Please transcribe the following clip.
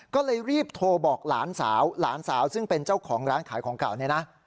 ก็เลยรีบโทรบอกหลานสาวหลานสาวซึ่งเป็นเจ้าของร้านขายของเก่าเนี่ยนะ